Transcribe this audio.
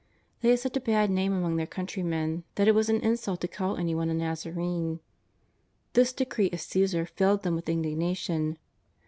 They had such a bad name among their countrymen that it was an insult to call anyone a Xazarene. This de cree of Caesar filled them with indignation.